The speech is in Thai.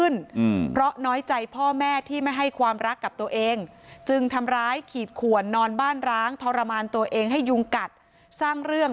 นั่นแหละมีพูดทั้งภาพตั้งข้าง